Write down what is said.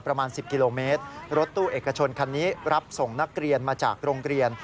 ประมาณ๑๐กิโลเมตรรถตู้เอกชนคันนี้รับส่งนักเรียนมาจากโรงเรียน